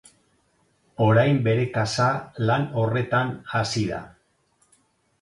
Orain, bere kasa, lan horretan hasi da.